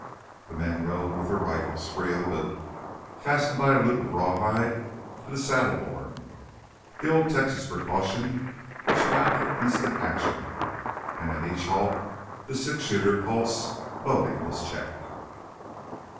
The men rode with their rifles free of the boot, fastened by a loop of rawhide to the saddle horn, the old Texas precaution which allowed for instant action. And at each halt the six shooter Colts' loading was checked.